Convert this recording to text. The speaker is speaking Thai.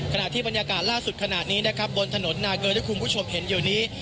ขณะที่บรรยากาศล่าสุดขณะนี้นะครับบนถนนนาเกอร์ที่คุณผู้ชมเห็นอยู่นี้